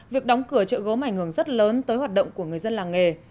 việc đóng cửa chợ gốm ảnh hưởng rất lớn tới hoạt động của người dân làng nghề